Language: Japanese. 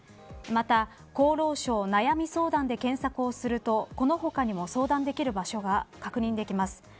また厚労省、悩み相談で検索するとこの他にも相談できる場所が確認できます。